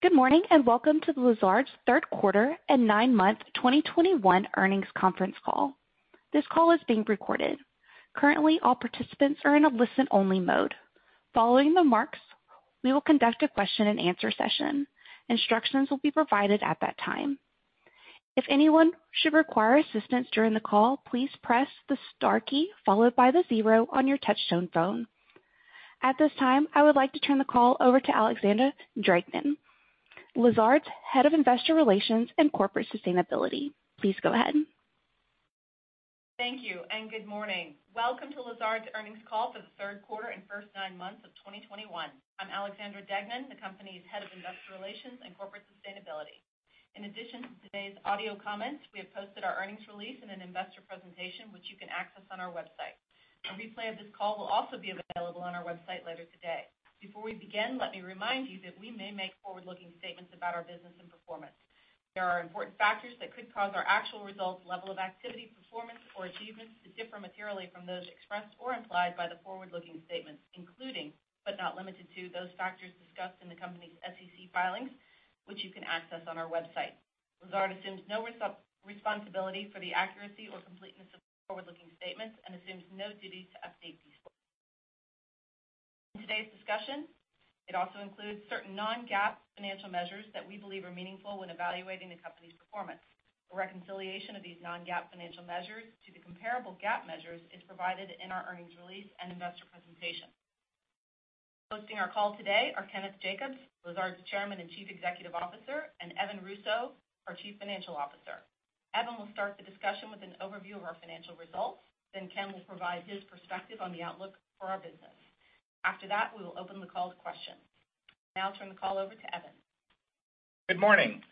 Good morning, and welcome to Lazard's third quarter and 9-month 2021 earnings conference call. This call is being recorded. Currently, all participants are in a listen-only mode. Following the remarks, we will conduct a question-and-answer session. Instructions will be provided at that time. If anyone should require assistance during the call, please press the star key followed by the zero on your touch-tone phone. At this time, I would like to turn the call over to Alexandra Deignan, Lazard's Head of Investor Relations and Corporate Sustainability. Please go ahead. Thank you and good morning. Welcome to Lazard's earnings call for the third quarter and first 9 months of 2021. I'm Alexandra Deignan, the company's Head of Investor Relations and Corporate Sustainability. In addition to today's audio comments, we have posted our earnings release in an investor presentation, which you can access on our website. A replay of this call will also be available on our website later today. Before we begin, let me remind you that we may make forward-looking statements about our business and performance. There are important factors that could cause our actual results, level of activity, performance, or achievements to differ materially from those expressed or implied by the forward-looking statements, including, but not limited to, those factors discussed in the company's SEC filings, which you can access on our website. Lazard assumes no responsibility for the accuracy or completeness of forward-looking statements and assumes no duty to update these forward-looking statements. In today's discussion, it also includes certain non-GAAP financial measures that we believe are meaningful when evaluating the company's performance. A reconciliation of these non-GAAP financial measures to the comparable GAAP measures is provided in our earnings release and investor presentation. Hosting our call today are Kenneth Jacobs, Lazard's Chairman and Chief Executive Officer, and Evan Russo, our Chief Financial Officer. Evan will start the discussion with an overview of our financial results, then Ken will provide his perspective on the outlook for our business. After that, we will open the call to questions. Now I'll turn the call over to Evan. Good morning.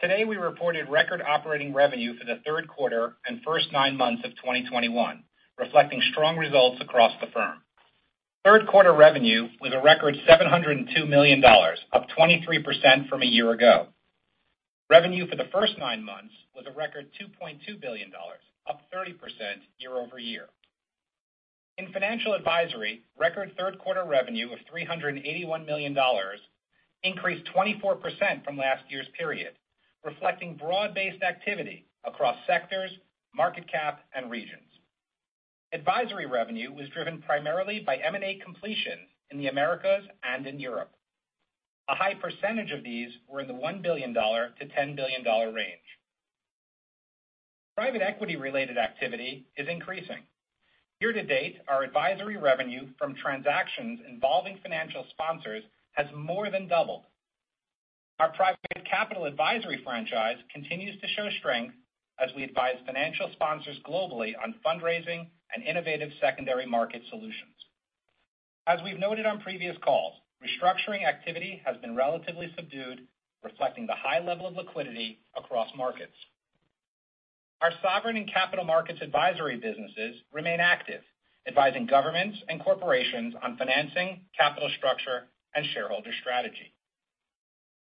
Today, we reported record operating revenue for the third quarter and first 9 months of 2021, reflecting strong results across the firm. Third 1/4 revenue was a record $702 million, up 23% from a year ago. Revenue for the first 9 months was a record $2.2 billion, up 30% year-over-year. In Financial Advisory, record third quarter revenue of $381 million increased 24% from last year's period, reflecting broad-based activity across sectors, market cap, and regions. Advisory revenue was driven primarily by M&A completion in the Americas and in Europe. A high percentage of these were in the $1 billion-$10 billion range. Private equity-related activity is increasing. Year-to-date, our advisory revenue from transactions involving financial sponsors has more than doubled. Our private capital advisory franchise continues to show strength as we advise financial sponsors globally on fundraising and innovative secondary market solutions. As we've noted on previous calls, restructuring activity has been relatively subdued, reflecting the high level of liquidity across markets. Our sovereign and capital markets advisory businesses remain active, advising governments and corporations on financing, capital structure, and shareholder strategy.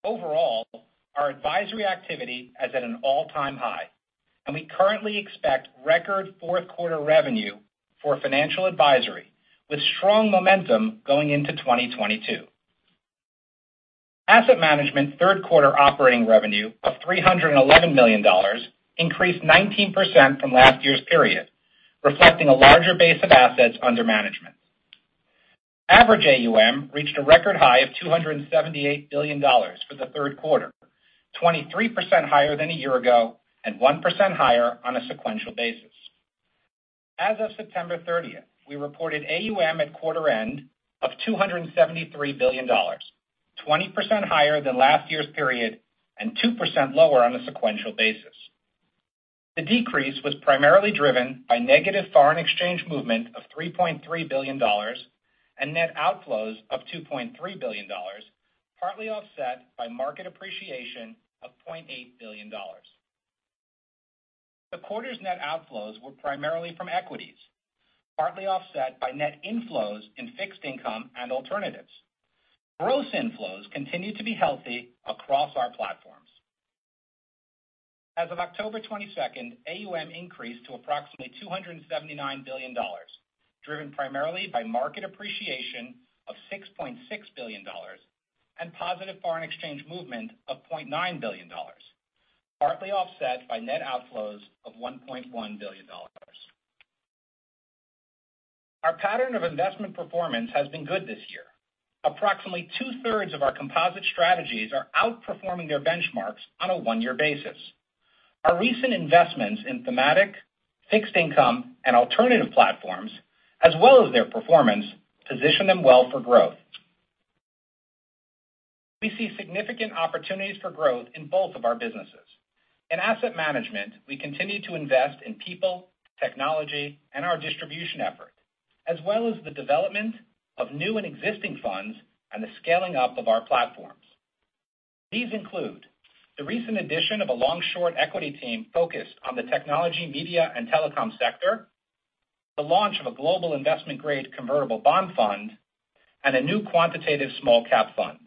Overall, our advisory activity is at an all-time high, and we currently expect record fourth 1/4 revenue for Financial Advisory, with strong momentum going into 2022. Asset Management third quarter operating revenue of $311 million increased 19% from last year's period, reflecting a larger base of assets under management. Average AUM reached a record high of $278 billion for the third quarter, 23% higher than a year ago and 1% higher on a sequential basis. As of September 30, we reported AUM at 1/4 end of $273 billion, 20% higher than last year's period and 2% lower on a sequential basis. The decrease was primarily driven by negative foreign exchange movement of $3.3 billion and net outflows of $2.3 billion, partly offset by market appreciation of $0.8 billion. The 1/4's net outflows were primarily from equities, partly offset by net inflows in fixed income and alternatives. Gross inflows continued to be healthy across our platforms. As of October 22, AUM increased to approximately $279 billion, driven primarily by market appreciation of $6.6 billion and positive foreign exchange movement of $0.9 billion, partly offset by net outflows of $1.1 billion. Our pattern of investment performance has been good this year. Approximately 2-1/3s of our composite strategies are outperforming their benchmarks on a one-year basis. Our recent investments in thematic, fixed income, and alternative platforms, as well as their performance, position them well for growth. We see significant opportunities for growth in both of our businesses. In Asset Management, we continue to invest in people, technology, and our distribution effort, as well as the development of new and existing funds and the scaling up of our platforms. These include the recent addition of a long-short equity team focused on the technology, media, and telecom sector, the launch of a global investment-grade convertible bond fund, and a new quantitative small-cap fund.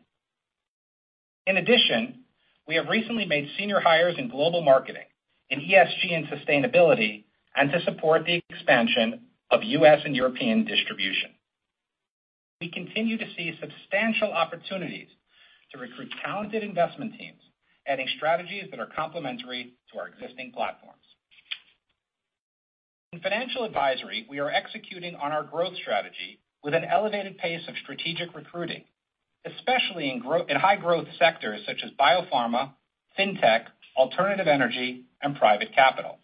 In addition, we have recently made senior hires in global marketing, in ESG and sustainability, and to support the expansion of U.S. and European distribution. We continue to see substantial opportunities to recruit talented investment teams, adding strategies that are complementary to our existing platforms. In Financial Advisory, we are executing on our growth strategy with an elevated pace of strategic recruiting, especially in high-growth sectors such as biopharma, fintech, alternative energy, and private capital.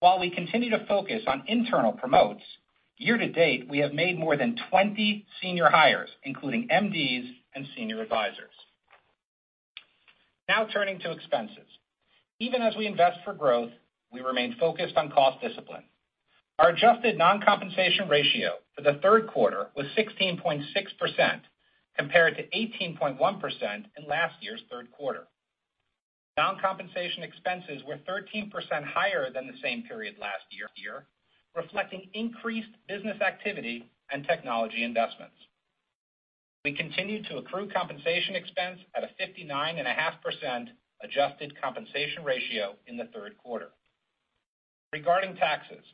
While we continue to focus on internal promotions, year-to-date, we have made more than 20 senior hires, including MDs and senior advisors. Now turning to expenses. Even as we invest for growth, we remain focused on cost discipline. Our adjusted Non-Compensation ratio for the third quarter was 16.6% compared to 18.1% in last year's third quarter. Non-compensation expenses were 13% higher than the same period last year, reflecting increased business activity and technology investments. We continue to accrue compensation expense at a 59.5% adjusted compensation ratio in the third quarter. Regarding taxes,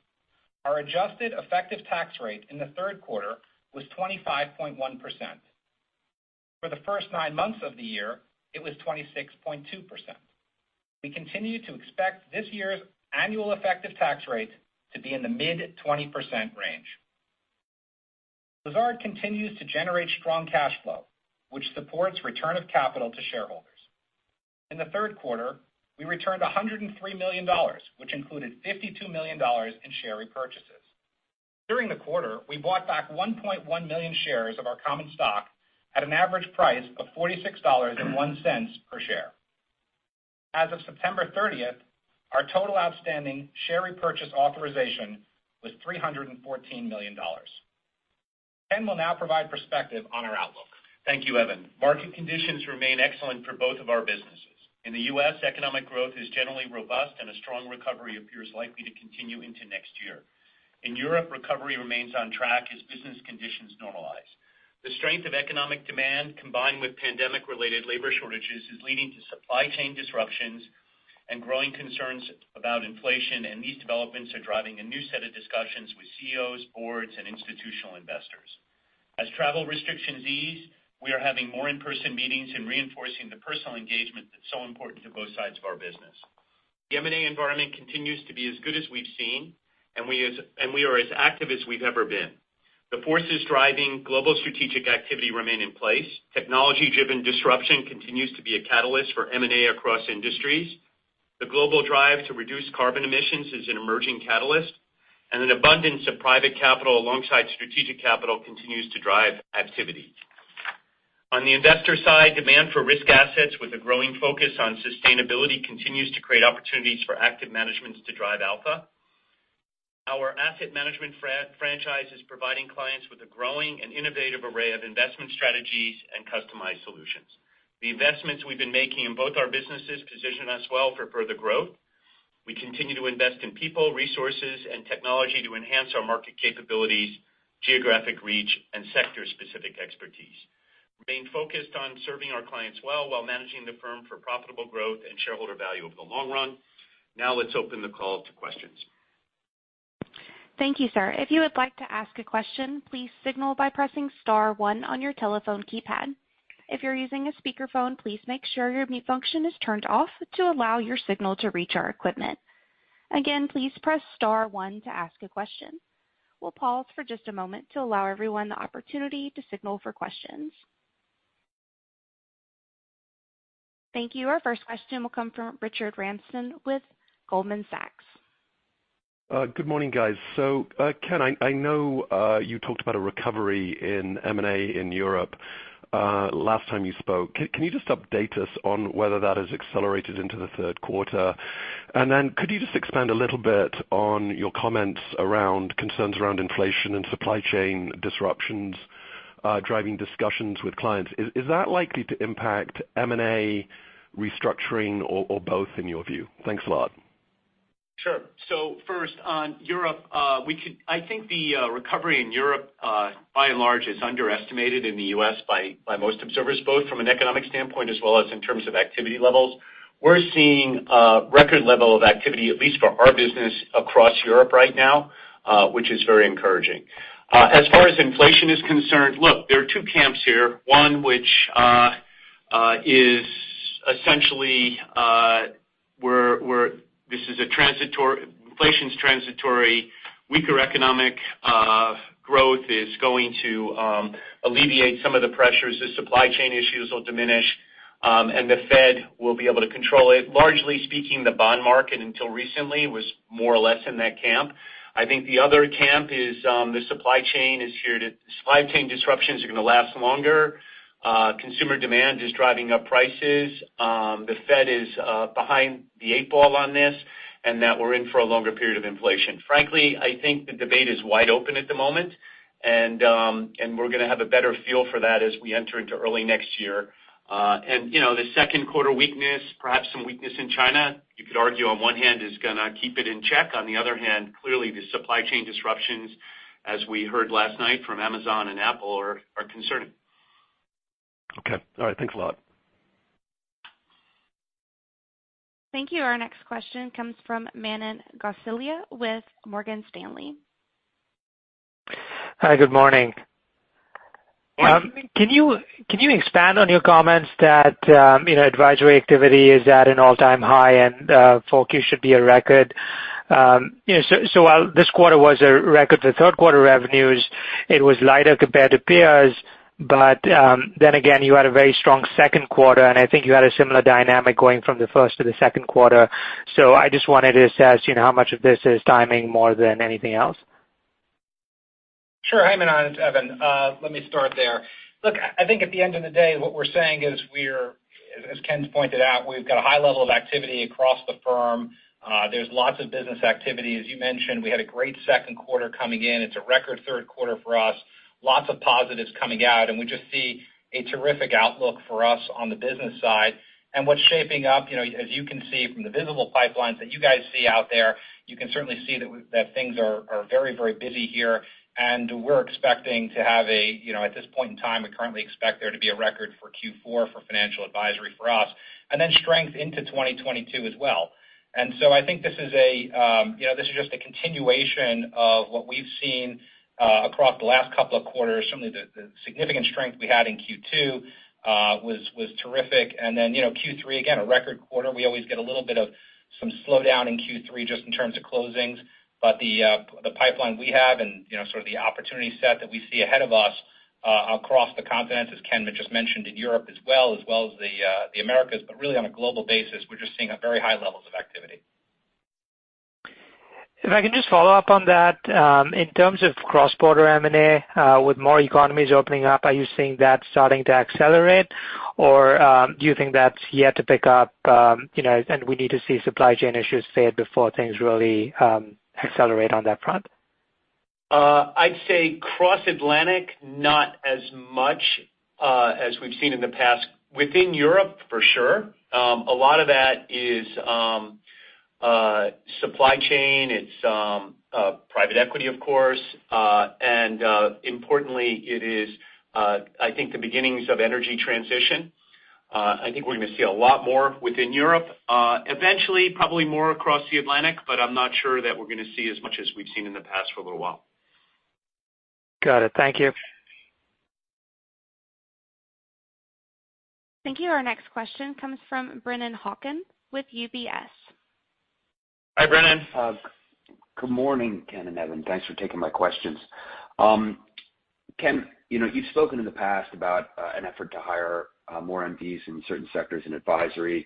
our adjusted effective tax rate in the third quarter was 25.1%. For the first 9 months of the year, it was 26.2%. We continue to expect this year's annual effective tax rate to be in the mid-20% range. Lazard continues to generate strong cash flow, which supports return of capital to shareholders. In the third quarter, we returned $103 million, which included $52 million in share repurchases. During the 1/4, we bought back 1.1 million shares of our common stock at an average price of $46.01 per share. As of September thirtieth, our total outstanding share repurchase authorization was $314 million. Kenneth will now provide perspective on our outlook. Thank you, Evan. Market conditions remain excellent for both of our businesses. In the U.S., economic growth is generally robust, and a strong recovery appears likely to continue into next year. In Europe, recovery remains on track as business conditions normalize. The strength of economic demand combined with pandemic-related labor shortages is leading to supply chain disruptions and growing concerns about inflation, and these developments are driving a new set of discussions with CEOs, boards, and institutional investors. As travel restrictions ease, we are having more in-person meetings and reinforcing the personal engagement that's so important to both sides of our business. The M&A environment continues to be as good as we've seen, and we are as active as we've ever been. The forces driving global strategic activity remain in place. Technology-driven disruption continues to be a catalyst for M&A across industries. The global drive to reduce carbon emissions is an emerging catalyst, and an abundance of private capital alongside strategic capital continues to drive activity. On the investor side, demand for risk assets with a growing focus on sustainability continues to create opportunities for active managements to drive alpha. Our Asset Management franchise is providing clients with a growing and innovative array of investment strategies and customized solutions. The investments we've been making in both our businesses position us well for further growth. We continue to invest in people, resources, and technology to enhance our market capabilities, geographic reach, and sector-specific expertise. We remain focused on serving our clients well while managing the firm for profitable growth and shareholder value over the long run. Now let's open the call to questions. Thank you, sir. If you would like to ask a question, please signal by pressing star one on your telephone keypad. If you're using a speakerphone, please make sure your mute function is turned off to allow your signal to reach our equipment. Again, please press star one to ask a question. We'll pause for just a moment to allow everyone the opportunity to signal for questions. Thank you. Our first question will come from Richard Ramsden with Goldman Sachs. Good morning, guys. Kenneth, I know you talked about a recovery in M&A in Europe last time you spoke. Can you just update us on whether that has accelerated into the third quarter? Then could you just expand a little bit on your comments around concerns around inflation and supply chain disruptions driving discussions with clients? Is that likely to impact M&A restructuring or both in your view? Thanks a lot. Sure. First on Europe, I think the recovery in Europe, by and large, is underestimated in the U.S. by most observers, both from an economic standpoint as well as in terms of activity levels. We're seeing a record level of activity, at least for our business across Europe right now, which is very encouraging. As far as inflation is concerned, look, there are 2 camps here. One which is essentially inflation's transitory, weaker economic growth is going to alleviate some of the pressures, the supply chain issues will diminish, and the Fed will be able to control it. Largely speaking, the bond market, until recently, was more or less in that camp. I think the other camp is, the supply chain is here to. Supply chain disruptions are gonna last longer. Consumer demand is driving up prices. The Fed is behind the eight ball on this, and that we're in for a longer period of inflation. Frankly, I think the debate is wide open at the moment, and we're gonna have a better feel for that as we enter into early next year. You know, the second 1/4 weakness, perhaps some weakness in China, you could argue on one hand is gonna keep it in check. On the other hand, clearly the supply chain disruptions, as we heard last night from Amazon and Apple, are concerning. Okay. All right, thanks a lot. Thank you. Our next question comes from Manan Gosalia with Morgan Stanley. Hi, good morning. Can you expand on your comments that, you know, advisory activity is at an all-time high and, full year should be a record? You know, while this 1/4 was a record for third quarter revenues, it was lighter compared to peers, but, then again, you had a very strong second 1/4, and I think you had a similar dynamic going from the first to the second 1/4. I just wanted to assess, you know, how much of this is timing more than anything else. Sure. Hi, Manan, it's Evan. Let me start there. Look, I think at the end of the day, what we're saying is we're, as Ken's pointed out, we've got a high level of activity across the firm. There's lots of business activity. As you mentioned, we had a great second 1/4 coming in. It's a record third quarter for us. Lots of positives coming out, and we just see a terrific outlook for us on the business side. What's shaping up, you know, as you can see from the visible pipelines that you guys see out there, you can certainly see that things are very busy here, and we're expecting to have a, you know, at this point in time, we currently expect there to be a record for Q4 for Financial Advisory for us, and then strength into 2022 as well. I think this is a, you know, this is just a continuation of what we've seen across the last couple of quarters. Certainly the significant strength we had in Q2 was terrific. You know, Q3, again, a record 1/4. We always get a little bit of some slowdown in Q3 just in terms of closings. The pipeline we have and, you know, sort of the opportunity set that we see ahead of us across the continents, as Ken just mentioned in Europe as well as the Americas, but really on a global basis, we're just seeing a very high levels of activity. If I can just follow up on that, in terms of cross-border M&A, with more economies opening up, are you seeing that starting to accelerate? Or, do you think that's yet to pick up, you know, and we need to see supply chain issues fade before things really, accelerate on that front? I'd say cross-Atlantic, not as much as we've seen in the past. Within Europe, for sure. A lot of that is supply chain. It's private equity, of course. Importantly, it is, I think, the beginnings of energy transition. I think we're gonna see a lot more within Europe, eventually, probably more across the Atlantic, but I'm not sure that we're gonna see as much as we've seen in the past for a little while. Got it. Thank you. Thank you. Our next question comes from Brennan Hawken with UBS. Hi, Brennan. Good morning, Ken and Evan. Thanks for taking my questions. Ken, you know, you've spoken in the past about an effort to hire more MDs in certain sectors in advisory,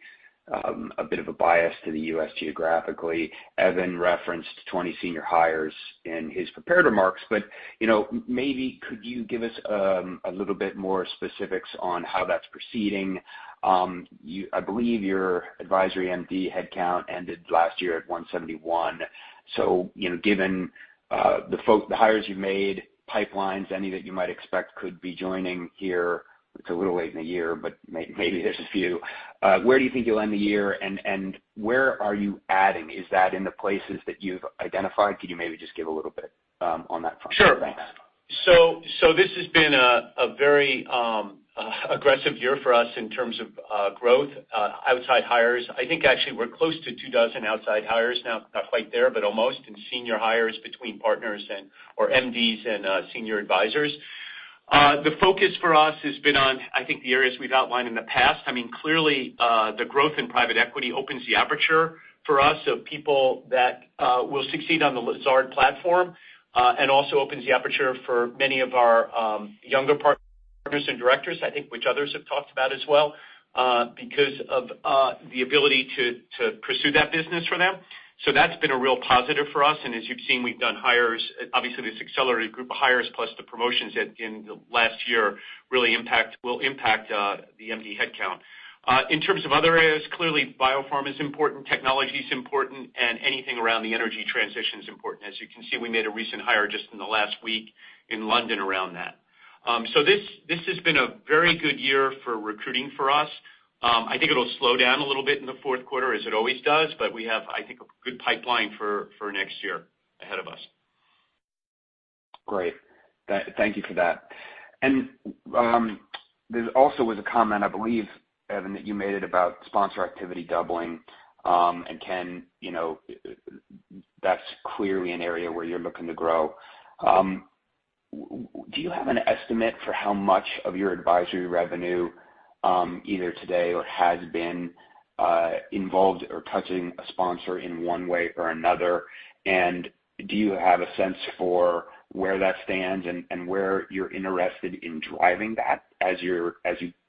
a bit of a bias to the U.S. geographically. Evan referenced 20 senior hires in his prepared remarks, but you know, maybe could you give us a little bit more specifics on how that's proceeding? I believe your advisory MD headcount ended last year at 171. So, you know, given the hires you've made, pipelines, any that you might expect could be joining here, it's a little late in the year, but maybe there's a few. Where do you think you'll end the year, and where are you adding? Is that in the places that you've identified? Could you maybe just give a little bit, on that front? Sure. Thanks. This has been a very aggressive year for us in terms of growth outside hires. I think actually we're close to 24 outside hires now, not quite there, but almost, in senior hires between partners and/or MDs and senior advisors. The focus for us has been on, I think, the areas we've outlined in the past. I mean, clearly, the growth in private equity opens the aperture for us of people that will succeed on the Lazard platform and also opens the aperture for many of our younger partners and directors, I think, which others have talked about as well because of the ability to pursue that business for them. That's been a real positive for us. As you've seen, we've done hires. Obviously, this accelerated group of hires plus the promotions in the last year will impact the MD headcount. In terms of other areas, clearly biopharm is important, technology is important, and anything around the energy transition is important. As you can see, we made a recent hire just in the last week in London around that. This has been a very good year for recruiting for us. I think it'll slow down a little bit in the fourth 1/4 as it always does, but we have, I think, a good pipeline for next year ahead of us. Great. Thank you for that. There also was a comment, I believe, Evan, that you made about sponsor activity doubling, and Ken, you know, that's clearly an area where you're looking to grow. Do you have an estimate for how much of your advisory revenue, either today or has been, involved or touching a sponsor in one way or another? Do you have a sense for where that stands and where you're interested in driving that as you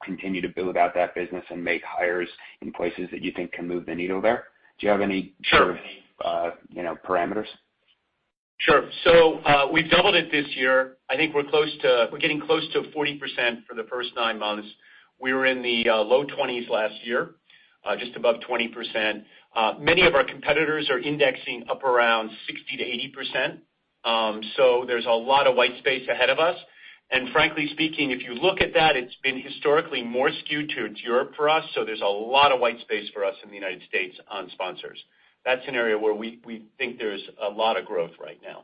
continue to build out that business and make hires in places that you think can move the needle there? Do you have any Sure. you know, parameters? Sure. We've doubled it this year. I think we're getting close to 40% for the first 9 months. We were in the low 20s last year, just above 20%. Many of our competitors are indexing up around 60%-80%, so there's a lot of white space ahead of us. Frankly speaking, if you look at that, it's been historically more skewed to Europe for us, so there's a lot of white space for us in the United States on sponsors. That's an area where we think there's a lot of growth right now.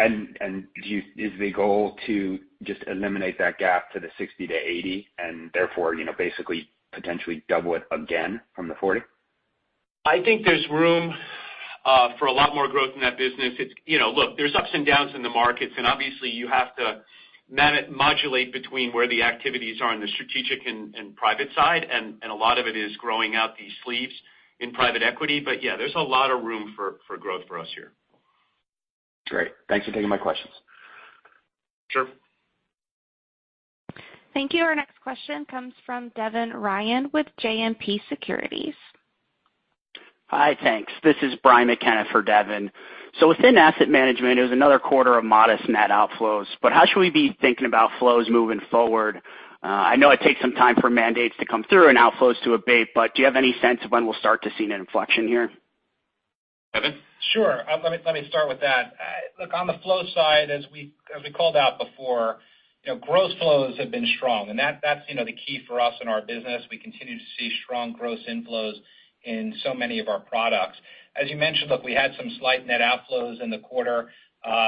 Is the goal to just eliminate that gap to the 60-80 and therefore, you know, basically potentially double it again from the 40? I think there's room for a lot more growth in that business. It's, you know, look, there's ups and downs in the markets, and obviously you have to modulate between where the activities are in the strategic and private side, and a lot of it is growing out of these sleeves in private equity. Yeah, there's a lot of room for growth for us here. Great. Thanks for taking my questions. Sure. Thank you. Our next question comes from Devin Ryan with JMP Securities. Hi, thanks. This is Brian McKenna for Devin. Within Asset Management, it was another 1/4 of modest net outflows. How should we be thinking about flows moving forward? I know it takes some time for mandates to come through and outflows to abate, but do you have any sense of when we'll start to see an inflection here? Evan? Sure. Let me start with that. Look, on the flow side, as we called out before, you know, gross flows have been strong, and that's, you know, the key for us in our business. We continue to see strong gross inflows in so many of our products. As you mentioned, look, we had some slight net outflows in the 1/4,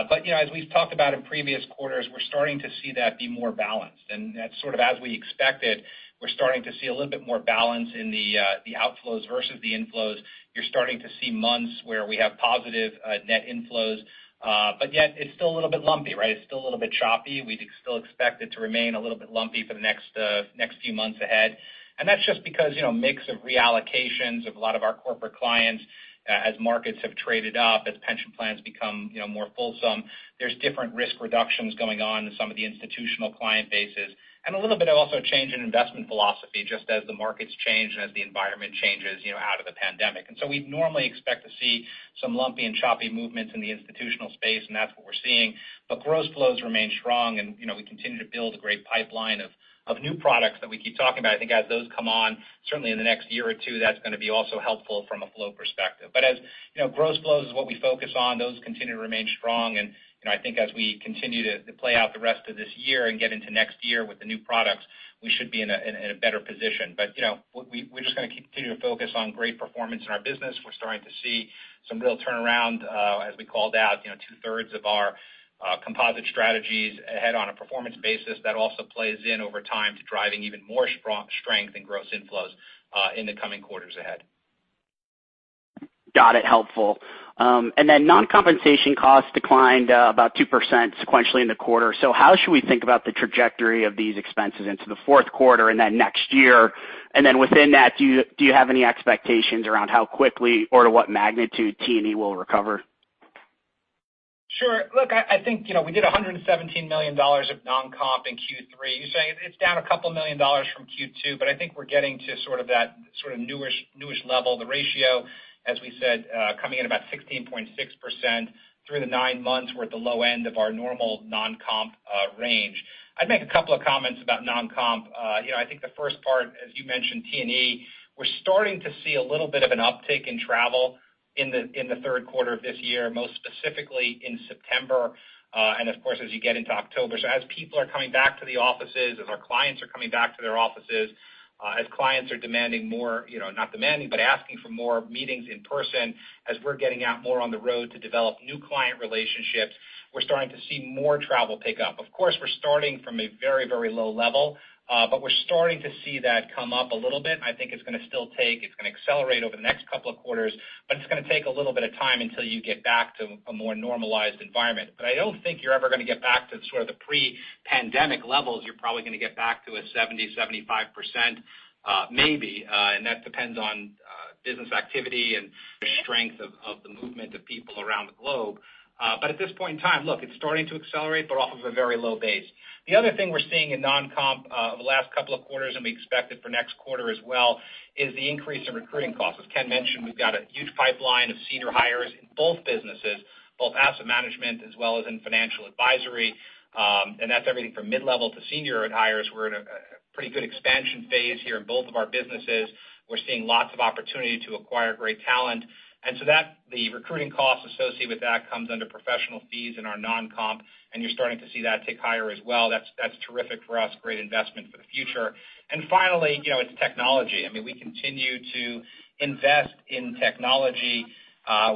but you know, as we've talked about in previous quarters, we're starting to see that be more balanced and that's sort of as we expected. We're starting to see a little bit more balance in the outflows versus the inflows. You're starting to see months where we have positive net inflows, but yet it's still a little bit lumpy, right? It's still a little bit choppy. We'd still expect it to remain a little bit lumpy for the next few months ahead. That's just because, you know, mix of reallocations of a lot of our corporate clients as markets have traded up, as pension plans become, you know, more fulsome. There's different risk reductions going on in some of the institutional client bases and a little bit of also change in investment philosophy, just as the market's changed and as the environment changes, you know, out of the pandemic. We'd normally expect to see some lumpy and choppy movements in the institutional space, and that's what we're seeing. Gross flows remain strong and, you know, we continue to build a great pipeline of new products that we keep talking about. I think as those come on, certainly in the next year or 2, that's gonna be also helpful from a flow perspective. As, you know, gross flows is what we focus on, those continue to remain strong. You know, I think as we continue to play out the rest of this year and get into next year with the new products, we should be in a better position. You know, we're just gonna continue to focus on great performance in our business. We're starting to see some real turnaround, as we called out, you know, 2-thirds of our composite strategies ahead on a performance basis. That also plays in over time to driving even more strong strength and gross inflows in the coming quarters ahead. Got it. Helpful. Non-compensation costs declined about 2% sequentially in the 1/4. How should we think about the trajectory of these expenses into the fourth 1/4 and then next year? Within that, do you have any expectations around how quickly or to what magnitude T&E will recover? Sure. Look, I think, you know, we did $117 million of Non-Comp in Q3. You say it's down $2 million from Q2, but I think we're getting to sort of that newish level. The ratio, as we said, coming in about 16.6% through the 9 months, we're at the low end of our normal Non-Comp range. I'd make a couple of comments about Non-Comp. You know, I think the first part, as you mentioned, T&E, we're starting to see a little bit of an uptick in travel in the third quarter of this year, most specifically in September, and of course, as you get into October. As people are coming back to the offices, as our clients are coming back to their offices, as clients are demanding more, you know, not demanding, but asking for more meetings in person, as we're getting out more on the road to develop new client relationships, we're starting to see more travel pick up. Of course, we're starting from a very, very low level, but we're starting to see that come up a little bit. I think it's gonna still take. It's gonna accelerate over the next couple of quarters, but it's gonna take a little bit of time until you get back to a more normalized environment. But I don't think you're ever gonna get back to sort of the pre-pandemic levels. You're probably gonna get back to a 70%-75%, maybe, and that depends on business activity and the strength of the movement of people around the globe. At this point in time, look, it's starting to accelerate, but off of a very low base. The other thing we're seeing in Non-Comp over the last couple of quarters, and we expect it for next 1/4 as well, is the increase in recruiting costs. As Ken mentioned, we've got a huge pipeline of senior hires in both businesses, both Asset Management as well as in Financial Advisory, and that's everything from mid-level to senior hires. We're in a pretty good expansion phase here in both of our businesses. We're seeing lots of opportunity to acquire great talent. That, the recruiting costs associated with that comes under professional fees in our Non-Comp, and you're starting to see that tick higher as well. That's terrific for us, great investment for the future. Finally, you know, it's technology. I mean, we continue to invest in technology.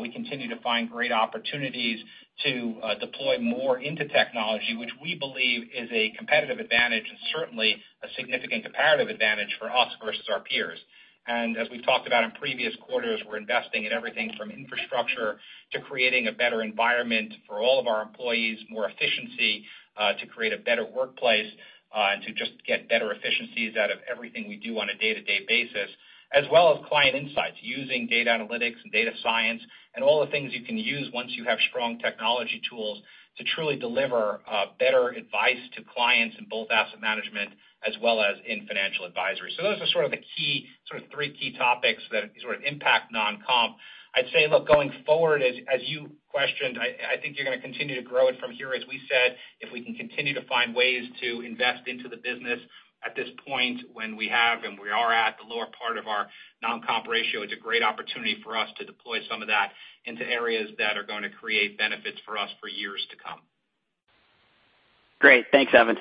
We continue to find great opportunities to deploy more into technology, which we believe is a competitive advantage and certainly a significant comparative advantage for us versus our peers. as we've talked about in previous quarters, we're investing in everything from infrastructure to creating a better environment for all of our employees, more efficiency, to create a better workplace, and to just get better efficiencies out of everything we do on a day-to-day basis, as well as client insights, using data analytics and data science and all the things you can use once you have strong technology tools to truly deliver, better advice to clients in both Asset Management as well as in Financial Advisory. Those are sort of the key, sort of 3 key topics that sort of impact Non-Comp. I'd say, look, going forward, as you questioned, I think you're gonna continue to grow it from here. As we said, if we can continue to find ways to invest into the business at this point when we have and we are at the lower part of our Non-Comp ratio, it's a great opportunity for us to deploy some of that into areas that are gonna create benefits for us for years to come. Great. Thanks, Evan.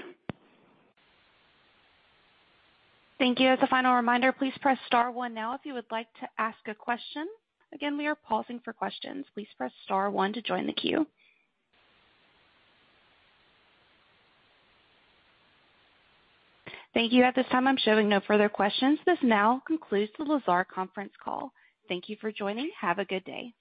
Thank you. As a final reminder, please press star one now if you would like to ask a question. Again, we are pausing for questions. Please press star one to join the queue. Thank you. At this time, I'm showing no further questions. This now concludes the Lazard conference call. Thank you for joining. Have a good day.